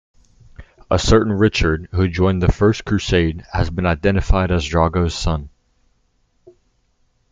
A certain Richard, who joined the First Crusade, has been identified as Drogo's son.